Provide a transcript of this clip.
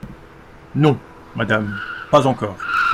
Non, Madame, pas encore.